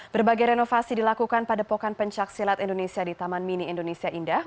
berbagai renovasi dilakukan pada pokan pencaksilat indonesia di taman mini indonesia indah